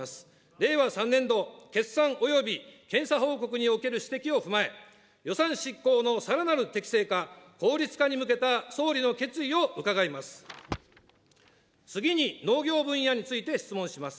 令和３年度決算および検査報告における指摘を踏まえ、予算執行のさらなる適正化、効率化に向けた総理の決意を伺います。